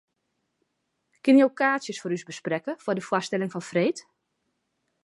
Kinne jo kaartsjes foar ús besprekke foar de foarstelling fan freed?